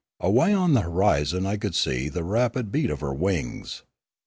Away on the horizon I could see the rapid beat of her wings.